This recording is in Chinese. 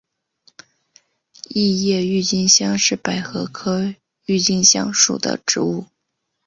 异叶郁金香是百合科郁金香属的植物。